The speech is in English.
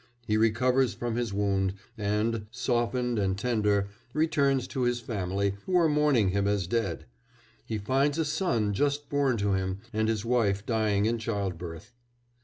He recovers from his wound, and, softened and tender, returns to his family, who are mourning him as dead; he finds a son just born to him and his wife dying in childbirth.